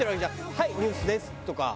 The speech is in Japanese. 「はいニュースです」とか。